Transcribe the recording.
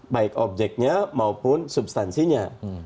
baik objeknya maupun substansinya